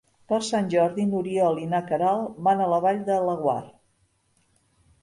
Per Sant Jordi n'Oriol i na Queralt van a la Vall de Laguar.